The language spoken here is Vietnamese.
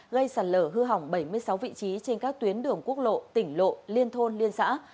gây sạt lở hư hỏng bảy mươi sáu vị trí trên các tuyến đường quốc lộ tỉnh lộ liên thôn liên xã